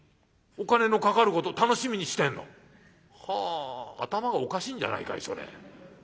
お金のかかること楽しみにしてんの？はあ頭がおかしいんじゃないかいそれ。